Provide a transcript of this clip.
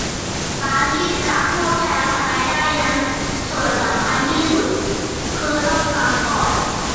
การที่จะพูดแทนใครได้นั้นส่วนสำคัญที่สุดคือต้อง"ฟัง"ก่อน